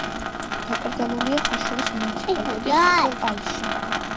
დაკრძალულია ხაშურის მუნიციპალიტეტის სოფელ ალში.